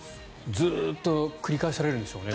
ずっと繰り返されるんでしょうね